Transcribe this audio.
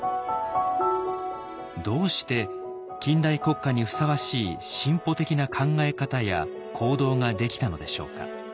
どうして近代国家にふさわしい進歩的な考え方や行動ができたのでしょうか。